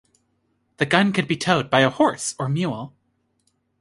The gun could be towed by a horse or mule.